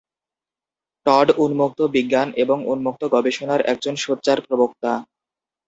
Todd উন্মুক্ত বিজ্ঞান এবং উন্মুক্ত গবেষণার একজন সোচ্চার প্রবক্তা।